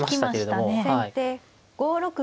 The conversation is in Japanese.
先手５六銀。